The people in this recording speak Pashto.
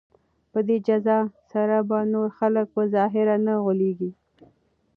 په دې جزا سره به نور خلک په ظاهر نه غولیږي.